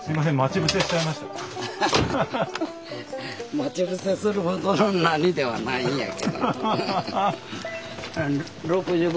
待ち伏せするほどの何ではないんやけど。